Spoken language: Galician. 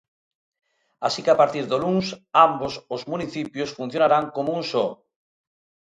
Así que a partir do luns, ambos os municipios funcionarán como un só.